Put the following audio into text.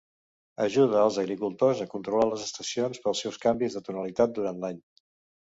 Ajuda als agricultors a controlar les estacions pels seus canvis de tonalitat durant l'any.